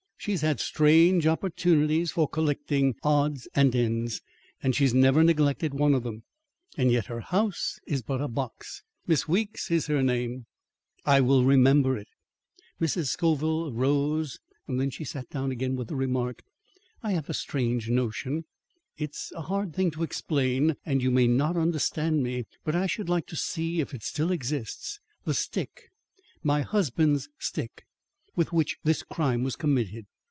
She's had strange opportunities for collecting odds and ends, and she's never neglected one of them. Yet her house is but a box. Miss Weeks is her name." "I will remember it." Mrs. Scoville rose. Then she sat down again, with the remark: "I have a strange notion. It's a hard thing to explain and you may not understand me, but I should like to see, if it still exists, the stick my husband's stick with which this crime was committed.